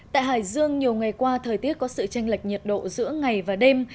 tại hải dương nhiều ngày qua thời tiết có sự tranh lệch nhiệt độ giữa ngày và đêm